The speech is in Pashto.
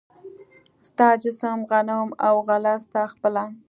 ستا جسم، غنم او غله ستا خپله